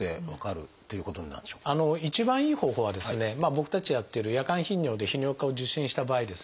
僕たちやってる夜間頻尿で泌尿器科を受診した場合ですね